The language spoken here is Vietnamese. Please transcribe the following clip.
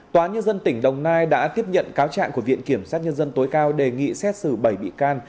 tòa nhân dân tỉnh đồng nai đã tiếp nhận cáo trạng của viện kiểm sát nhân dân tối cao đề nghị xét xử bảy bị can